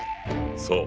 そう！